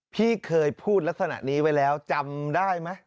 พี่เคยพูดลักษณะนี้ไว้แล้วจำได้ไหม